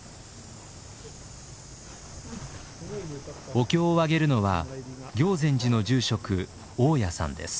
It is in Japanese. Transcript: お経をあげるのは行善寺の住職雄谷さんです。